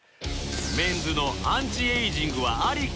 メンズのアンチエイジングはアリかナシか